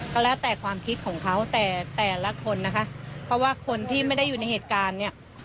ก็แล้วแต่ความคิดของเขาแต่แต่ละคนนะคะเพราะว่าคนที่ไม่ได้อยู่ในเหตุการณ์เนี่ย